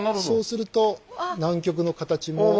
そうすると南極の形も。